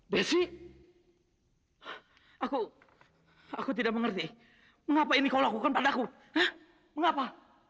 besi aku aku tidak mengerti mengapa ini kau lakukan padaku mengapa